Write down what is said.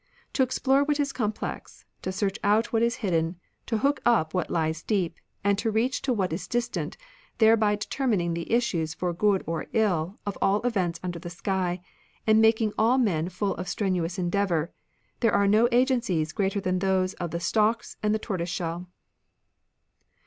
" To explore what is complex, to search out what is hidden, to hook up what lies deep, and to reach to what is distant, thereby determining the issues for good or ill of all events under the sky, and making all men full of strenuous endeavour, there are no agencies greater than those of the stalks and the tortoise shell."